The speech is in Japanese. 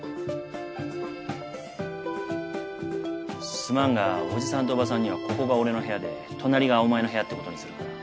すまんが伯父さんと伯母さんにはここが俺の部屋で隣がお前の部屋って事にするから。